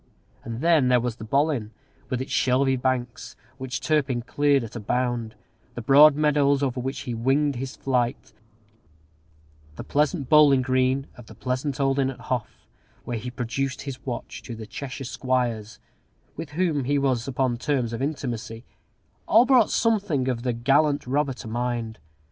And then there was the Bollin, with its shelvy banks, which Turpin cleared at a bound; the broad meadows over which he winged his flight; the pleasant bowling green of the pleasant old inn at Hough, where he produced his watch to the Cheshire squires, with whom he was upon terms of intimacy; all brought something of the gallant robber to mind.